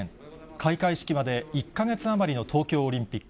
開会式まで１か月余りの東京オリンピック。